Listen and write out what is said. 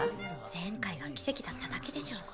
前回が奇跡だっただけでしょ。